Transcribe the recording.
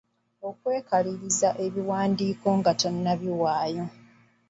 Okwekaliriza ebiwandiiko nga tonnabiwaayo.